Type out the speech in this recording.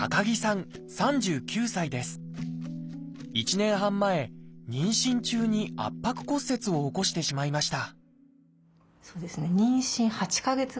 １年半前妊娠中に圧迫骨折を起こしてしまいました